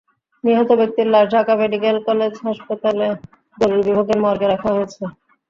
নিহত ব্যক্তির লাশ ঢাকা মেডিকেল কলেজ হাসপাতালের জরুরি বিভাগের মর্গে রাখা হয়েছে।